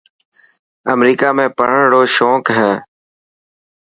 امريڪا ۾ پڙهڻ رو شونيڪ هي.